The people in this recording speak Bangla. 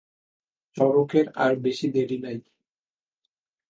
চড়কের আর বেশি দেরি নাই।